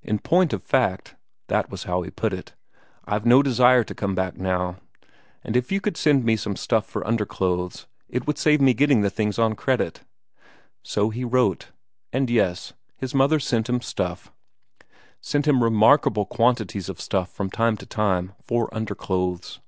"In point of fact," that was how he put it, "I've no desire to come back now. And if you could send me some stuff for underclothes, it would save me getting the things on credit." So he wrote. And yes, his mother sent him stuff sent him remarkable quantities of stuff from time to time for underclothes.